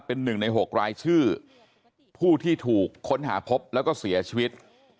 เป็น๑ใน๖รายชื่อผู้ที่ถูกค้นหาพบแล้วก็เสียชีวิต